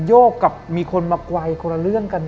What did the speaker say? โยกกับมีคนมากวัยคนละเรื่องกัน